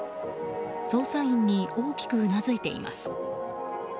捜査員に大きくうなずいています。